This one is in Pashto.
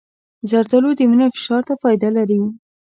زردالو د وینې فشار ته فایده لري.